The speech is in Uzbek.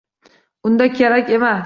Unda kerak emas.